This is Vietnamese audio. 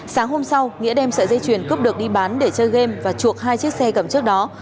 sáng hôm sau nghĩa đem sợi dây chuyền cướp được đi bán để chơi game và chuộc hai chiếc xe cầm trước đó